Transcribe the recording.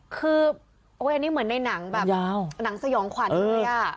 คือโอ๊ยอันนี้เหมือนในหนังสยองขวานด้วยอ่ะ